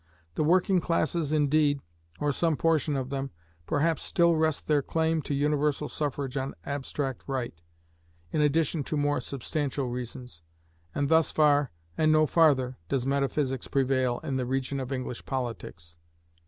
The working classes indeed, or some portion of them, perhaps still rest their claim to universal suffrage on abstract right, in addition to more substantial reasons, and thus far and no farther does metaphysics prevail in the region of English politics.